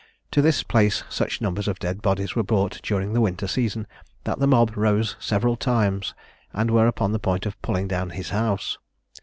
To this place such numbers of dead bodies were brought during the winter season, that the mob rose several times, and were upon the point of pulling down his house.